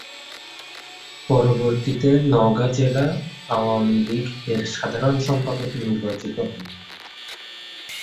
পরবর্তিতে নওগাঁ জেলা আওয়ামী লীগ এর সাধারণ সম্পাদক নির্বাচিত হন।